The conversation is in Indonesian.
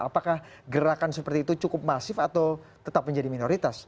apakah gerakan seperti itu cukup masif atau tetap menjadi minoritas